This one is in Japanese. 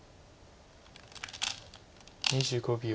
２５秒。